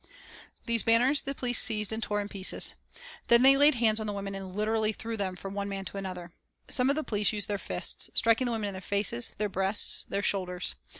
These banners the police seized and tore in pieces. Then they laid hands on the women and literally threw them from one man to another. Some of the police used their fists, striking the women in their faces, their breasts, their shoulders.